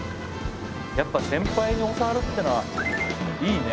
やっぱ先輩に教わるってのはいいね。